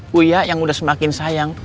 kuya yang udah semakin sayang